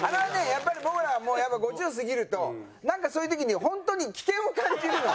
やっぱり僕らもう５０過ぎるとなんかそういう時に本当に危険を感じるの。